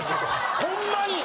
ホンマに！